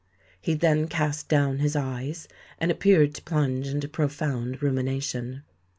He then cast down his eyes, and appeared to plunge into profound rumination.